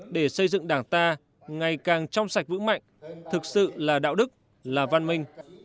để xây dựng đảng ta ngày càng trong sạch vững mạnh thực sự là đạo đức là văn minh